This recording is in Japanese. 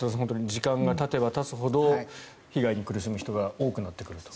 時間がたてばたつほど被害に苦しむ人が多くなってくると。